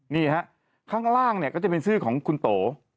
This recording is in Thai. นี่ฮะข้างล่างเนี่ยก็จะเป็นชื่อของคุณโต